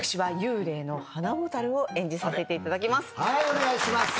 お願いします。